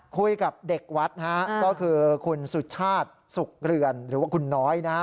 คุยกับเด็กวัดนะฮะก็คือคุณสุชาติสุขเรือนหรือว่าคุณน้อยนะฮะ